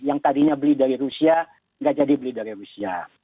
yang tadinya beli dari rusia nggak jadi beli dari rusia